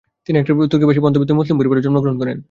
তিনি একটি তুর্কিভাষী মধ্যবিত্ত মুসলিম পরিবারে জন্মগ্রহণ করেন।